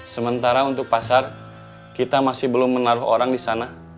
sementara untuk pasar kita masih belum menaruh orang di sana